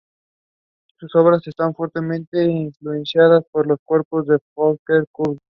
Sus obras están fuertemente influenciadas por los cuentos del folclore kurdo.